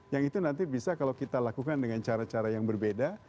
yang itu nanti bisa kalau kita lakukan dengan cara cara yang berbeda